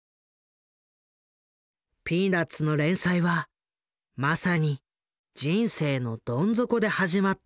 「ピーナッツ」の連載はまさに人生のどん底で始まったのだ。